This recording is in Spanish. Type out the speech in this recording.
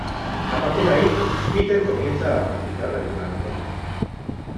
A partir de ahí, Peter comienza a practicar regularmente.